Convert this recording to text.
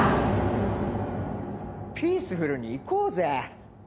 ピースフルにいこうぜ！